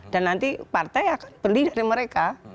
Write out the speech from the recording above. dan nanti partai akan beli dari mereka